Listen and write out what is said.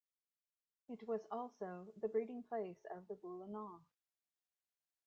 It was also the breeding place of the "Bulinaw".